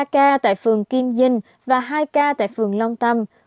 ba ca tại phường kim dinh và hai ca tại phường long tâm